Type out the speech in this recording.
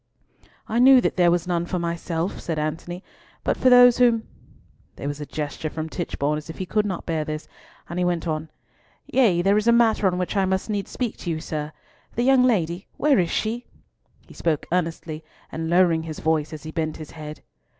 "I knew that there was none for myself," said Antony, "but for those whom—" There was a gesture from Tichborne as if he could not bear this, and he went on, "Yea, there is a matter on which I must needs speak to you, sir. The young lady—where is she?"—he spoke earnestly, and lowering his voice as he bent his head.